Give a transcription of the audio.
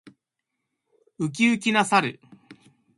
ウキウキな猿。